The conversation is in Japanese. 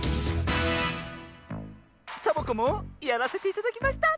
サボ子もやらせていただきました！